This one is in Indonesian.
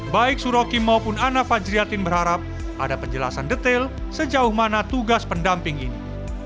baik suroki maupun ana fajriatin berharap ada penjelasan detail sejauh mana tugas pendamping ini